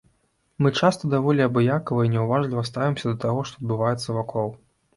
Мы часта даволі абыякава і няўважліва ставімся да таго, што адбываецца вакол.